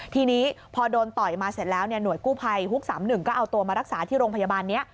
ทีนี้พอโดนต่อยมาเสร็จแล้วหน่วยกู้ภัยฮุก๓๑ก็เอาตัวมารักษาที่โรงพยาบาลนี้